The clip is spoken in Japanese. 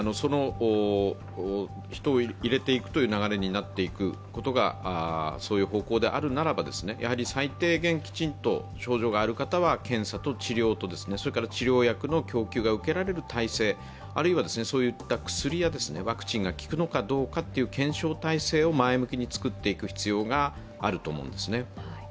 人を入れていくという流れになっていくことが、そういう方向であるならば最低限きちんと症状がある方は検査と治療と、治療薬の供給が受けられる体制、あるいはそういった薬やワクチンが効くのかどうかの検証体制を前向きに作っていく必要があると思うんですね。